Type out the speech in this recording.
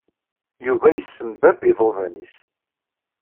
Yuba yessembabb iḍudan-nnes.